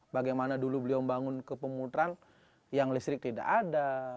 bagaimana dulu beliau membangun kepemutran yang listrik tidak ada